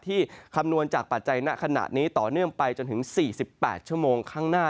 คำนวณจากปัจจัยณขณะนี้ต่อเนื่องไปจนถึง๔๘ชั่วโมงข้างหน้า